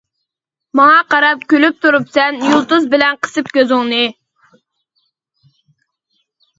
ماڭا قاراپ كۈلۈپ تۇرۇپسەن يۇلتۇز بىلەن قىسىپ كۆزۈڭنى.